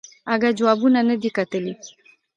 اگه جوابونه ندي کتلي.